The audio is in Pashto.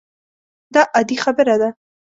دا عادي خبره ده.